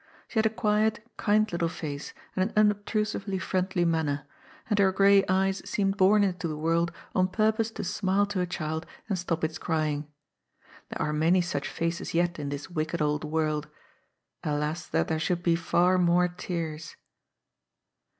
She had a quiet, kind little face and an unobtrusively friendly manner, and her gray eyes seemed bom into the world on purpose to smile to a child and stop its crying. There are many such faces yet in this wicked old world. Alas that there should be far more tears